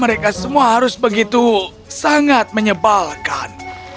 mereka semua harus begitu sangat menyebalkan